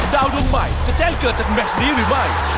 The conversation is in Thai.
ดาวดวงใหม่จะแจ้งเกิดจากแมชนี้หรือไม่